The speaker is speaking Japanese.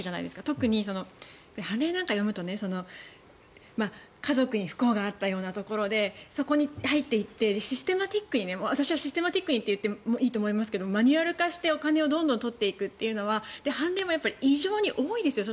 特に、判例なんか読むと家族に不幸があったようなところでそこに入っていってシステマティックにと言っていいと思いますがマニュアル化して、お金をどんどん取っていくというのは判例も以上に多いですよ